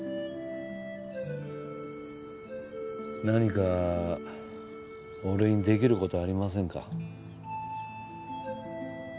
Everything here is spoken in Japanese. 何か俺にできることありませんか？